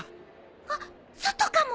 あっ外かも！